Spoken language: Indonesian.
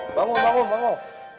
bangun bangun bangun